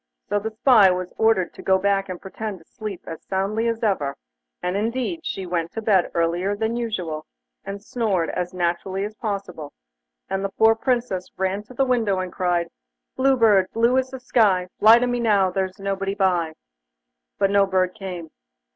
So the spy was ordered to go back and pretend to sleep as soundly as ever, and indeed she went to bed earlier than usual, and snored as naturally as possible, and the poor Princess ran to the window and cried: 'Blue Bird, blue as the sky, Fly to me now, there's nobody by!' But no bird came.